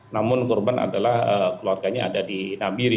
namun korban adalah keluarganya ada di nabiri